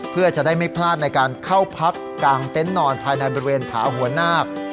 เพื่อจะได้ไม่พลาดในการเข้าพักกลางเต็นต์นอนภายในบริเวณผาหัวหน้า